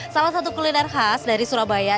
salah satu kuliner khas dari surabaya